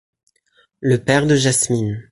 Le père de Jasmine.